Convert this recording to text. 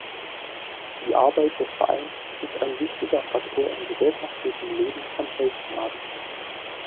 Die Arbeit des Vereins ist ein wichtiger Faktor im gesellschaftlichen Leben von Holzmaden.